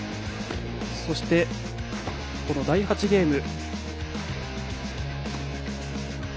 そして、第８ゲーム。